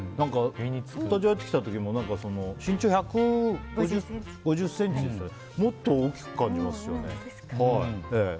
スタジオ入ってきた時も身長１５０ｃｍみたいですけどもっと大きく感じますよね。